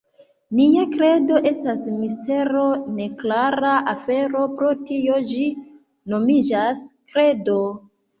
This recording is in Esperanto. Nia kredo estas mistero, neklara afero; pro tio ĝi nomiĝas kredo.